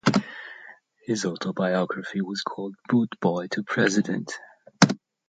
His autobiography was called "Boot Boy to President".